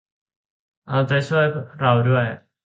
เอาใจช่วยเราด้วย